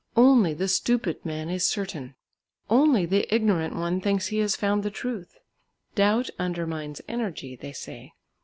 Only the stupid man is certain; only the ignorant one thinks he has found the truth. Doubt undermines energy, they say.